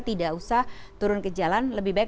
tidak usah turun ke jalan lebih baik